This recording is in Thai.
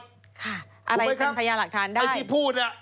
ค่ะอะไรซึ่งพยานหลักฐานได้ถูกไหมครับใครที่พูดอะ